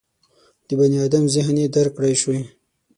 د بني ادم ذهن یې درک کړای شي.